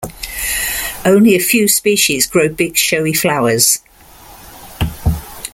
Only a few species grow big, showy flowers.